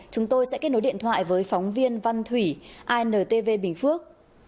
chúng tôi sẽ kết nối điện thoại với phóng viên văn thủy intv bình phước